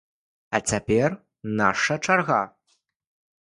А цяпер наша чарга.